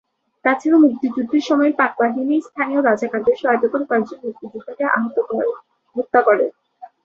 তাছাড়াও মুক্তিযুদ্ধের সময় পাকবাহিনী স্থানীয় রাজাকারদের সহায়তায় কয়েকজন মুক্তিযোদ্ধাকে হত্যা করে।